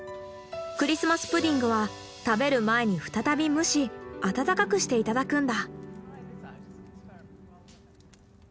クリスマス・プディングは食べる前に再び蒸し温かくして頂くんだ。